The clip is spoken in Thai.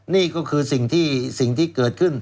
นี่ก็คือสิ่งที่เกิดขึ้น